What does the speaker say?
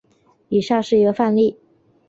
以下是一个范例。